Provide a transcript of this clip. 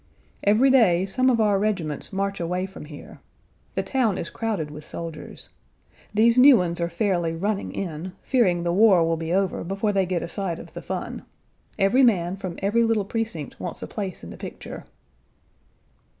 Every day some of our regiments march away from here. The town is crowded with soldiers. These new ones are fairly running in; fearing the war will be over before they get a sight of the fun. Every man from every little precinct wants a place in the picture.